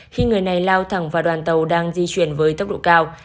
khi người này lao thẳng vào đoàn tàu đang di chuyển với tốc độ cao